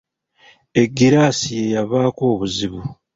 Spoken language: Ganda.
Eggiraasi ye yavaako obuzibu.